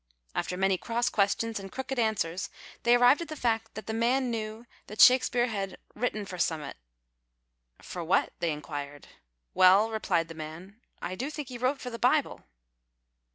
After many cross questions and crooked answers, they arrived at the fact that the man knew that Shakespeare had " ^\Titten for sunmiat." " For what ?" they enquired. " Well," replied the man, " I do think he wrote for the Bible."